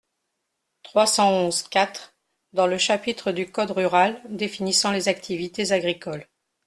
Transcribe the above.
trois cent onze-quatre, dans le chapitre du code rural définissant les activités agricoles.